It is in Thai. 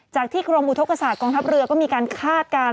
จากที่กรมอุทธกษากองทัพเรือก็มีการคาดการณ์